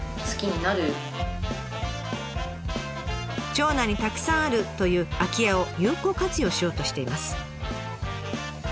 町内にたくさんあるという空き家を有効活用しようとしています。